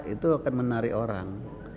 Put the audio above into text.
itu akan menarik orang